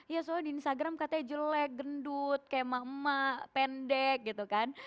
ya soalnya di instagram katanya jelek gendut kayak emak emak pendek gitu kan